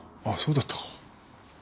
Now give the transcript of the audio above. あっそうだったか。